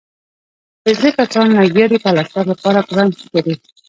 پنځۀ کسان لګيا دي پلستر لپاره پرانچ تړي